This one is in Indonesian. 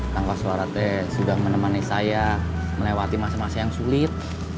kangkas suara teh sudah menemani saya melewati masa masa yang sulit